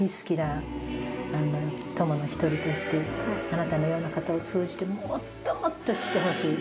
あなたのような方を通じてもっともっと知ってほしい。